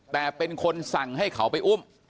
แต่เป็นคนสั่งให้เขาไปอุ้ม